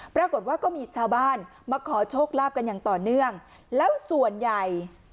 ปรากฏว่าก็มีชาวบ้านมาขอโชคลาภกันอย่างต่อเนื่องแล้วส่วนใหญ่